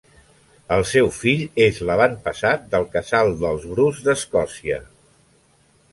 El seu fill és l'avantpassat del casal dels Bruce d'Escòcia.